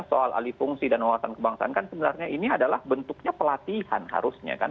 soal alih fungsi dan wawasan kebangsaan kan sebenarnya ini adalah bentuknya pelatihan harusnya kan